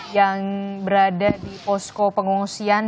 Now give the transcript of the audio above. yang berada di posko pengungsian